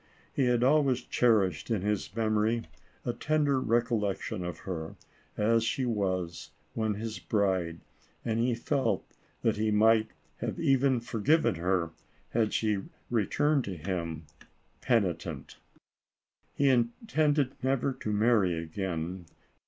He had always cherished in his memory a tender recollection of her, as she was, when his bride, and he felt that he 42 ALICE ; OR, THE WAGES OF SIN. might have even forgiven her, had she returned to him penitent. He intended never to marry again.